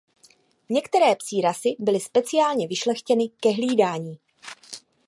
Některé psí rasy byly speciálně vyšlechtěny ke hlídání.